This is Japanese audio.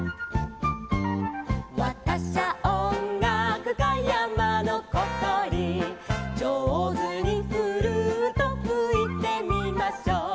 「わたしゃ音楽家山の小とり」「じょうずにフルートふいてみましょう」